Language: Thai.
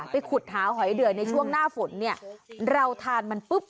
ขุดหาหอยเดือในช่วงหน้าฝนเนี่ยเราทานมันปุ๊บ